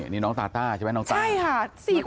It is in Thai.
นี่น้องตาต้าใช่ไหมน้องต้าใช่ค่ะ